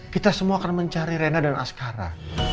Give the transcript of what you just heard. kita semua akan mencari rena dan askara